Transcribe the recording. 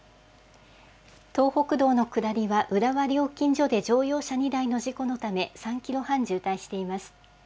東北道の下りは浦和料金所で乗用車２台の事故のため、３キロ半、渋滞しています。